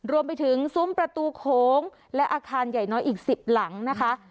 ซุ้มประตูโขงและอาคารใหญ่น้อยอีก๑๐หลังนะคะ